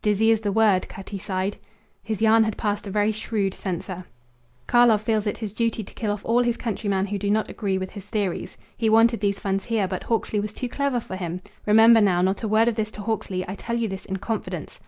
"Dizzy is the word." Cutty sighed. His yarn had passed a very shrewd censor. "Karlov feels it his duty to kill off all his countryman who do not agree with his theories. He wanted these funds here, but Hawksley was too clever for him. Remember, now, not a word of this to Hawksley. I tell you this in confidence."